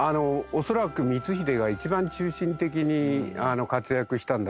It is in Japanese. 恐らく光秀が一番中心的に活躍したんだろうと思いますね